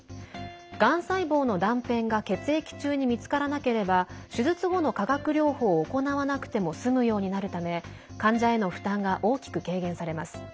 がん細胞の断片が血液中に見つからなければ手術後の化学療法を行わなくても済むようになるため患者への負担が大きく軽減されます。